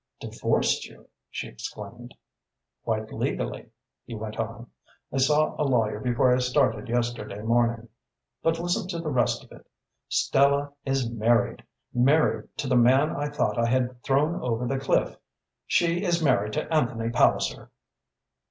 "Divorced you?" she exclaimed. "Quite legally," he went on. "I saw a lawyer before I started yesterday morning. But listen to the rest of it. Stella is married married to the man I thought I had thrown over the cliff. She is married to Anthony Palliser."